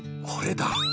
これだ！